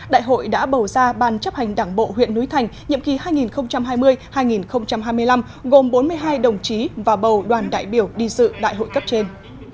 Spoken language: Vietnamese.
đại hội đã bầu ra ban chấp hành đảng bộ huyện núi thành nhiệm kỳ hai nghìn hai mươi hai nghìn hai mươi năm gồm bốn mươi hai đồng chí và bầu đoàn đại biểu đi dự đại hội cấp trên